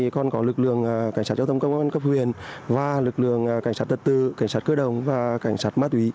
còn có lực lượng cảnh sát giao thông công an cấp huyền và lực lượng cảnh sát tật tư cảnh sát cơ đồng và cảnh sát mát ủy